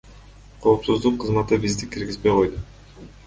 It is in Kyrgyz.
Коопсуздук кызматы бизди киргизбей койду.